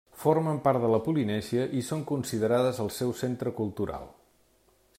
Formen part de la Polinèsia i són considerades el seu centre cultural.